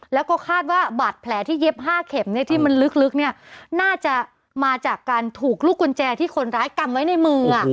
แล้วก็คาดว่าบาดแผลที่เย็บ๕เข็มเนี่ยที่มันลึกเนี่ยน่าจะมาจากการถูกลูกกุญแจที่คนร้ายกำไว้ในมือ